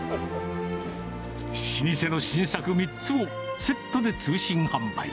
老舗の新作３つをセットで通信販売。